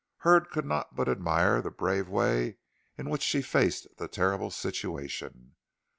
Hurd could not but admire the brave way in which she faced the terrible situation.